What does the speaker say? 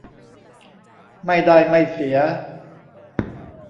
ไม่ได้ไม่เสีย